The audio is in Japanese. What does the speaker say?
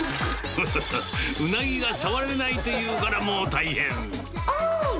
ふふふ、うなぎが触れないというからもう大変。